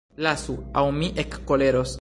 Lasu, aŭ mi ekkoleros!